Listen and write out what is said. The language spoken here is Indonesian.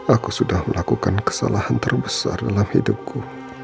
aku sudah melakukan kesalahan terbesar dalam hidupku